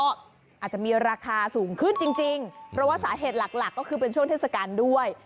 อาจจะมีราคาสูงขึ้นจริงเพราะว่าสาเหตุหลักหลักก็คือเป็นช่วงเทศกาลด้วย